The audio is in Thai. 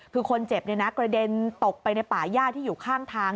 คือคนเจ็บกระเด็นตกไปในป่าย่าที่อยู่ข้างทาง